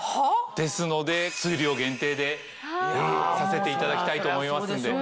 ですので数量限定でさせていただきたいと思いますんで。